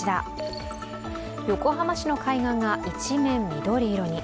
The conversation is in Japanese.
横浜市の海岸が一面、緑色に。